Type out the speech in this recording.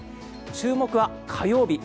注目は火曜日。